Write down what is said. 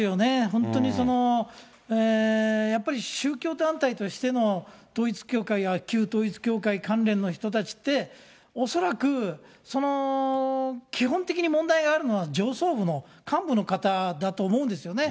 本当に、やっぱり宗教団体としての統一教会や旧統一教会関連の人たちって、恐らく、基本的に問題があるのは上層部の幹部の方だと思うんですね。